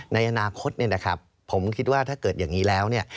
ในอนาคตเนี่ยนะครับผมคิดว่าถ้าเกิดอย่างนี้แล้วเนี่ย